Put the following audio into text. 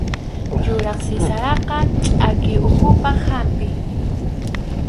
Yuraq siraraqa chʼaki uhupaq hampim